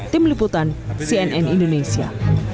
tim liputan cnn indonesia